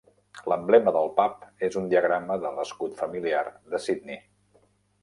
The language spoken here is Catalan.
L'emblema del pub és un diagrama de l'escut familiar de Sydney.